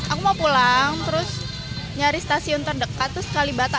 aku mau pulang terus nyari stasiun terdekat terus kalibata